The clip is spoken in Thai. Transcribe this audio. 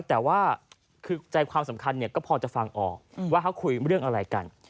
แต่ว่าคือใจความสำคัญก็พอจะฟังออกว่าเขาคุยเรื่องอะไรกัน